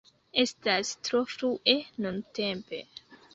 Estas tro frue nuntempe.